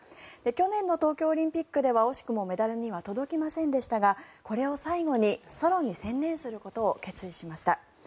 去年の東京オリンピックでは惜しくもメダルには届きませんでしたがこれを最後にソロに専念することを決意しました。